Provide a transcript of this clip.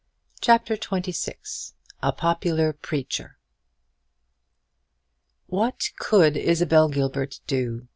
CHAPTER XXVI. A POPULAR PREACHER. What could Isabel Gilbert do?